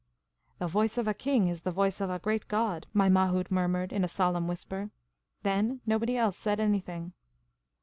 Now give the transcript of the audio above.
" The voice of a king is the voice of a great god," my mahout murmured, in a solenui whisper. Then nobody else said anything.